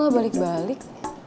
udah gak beres nih